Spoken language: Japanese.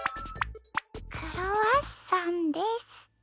クロワッサンです。